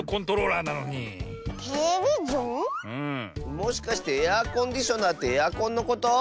もしかしてエアコンディショナーってエアコンのこと？